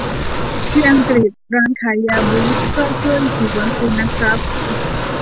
ที่อังกฤษ ร้านขายยาบูตส์ก็ช่วยฉีดวัคซีนนะครับ